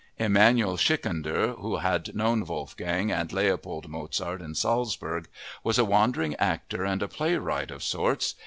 Emanuel Schikaneder, who had known Wolfgang and Leopold Mozart in Salzburg, was a wandering actor and a playwright of sorts.